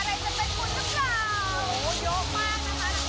สองนะคะอ้าวได้ยังโอ้ยเหี้ยไปเหี้ยไปอุ้ยอุ้ยอุ้ยอุ้ย